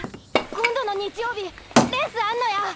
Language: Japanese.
今度の日曜日レースあんのや！